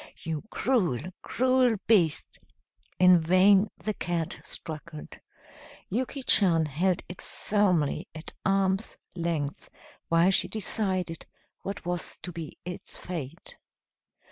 You cruel, cruel beast!" In vain the cat struggled. Yuki Chan held it firmly at arm's length while she decided what was to be its fate.